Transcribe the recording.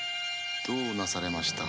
どうなされました？